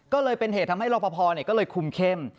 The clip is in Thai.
ก็เลยเป็นเหตุทำให้รอปภก็เลยคุมเข้ม